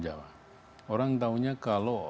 jawa orang taunya kalau